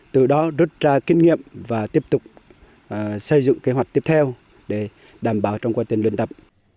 từ đó rút ra kinh nghiệm và tiếp tục xây dựng kế hoạch tiếp theo để đảm bảo trong quá trình luyện tập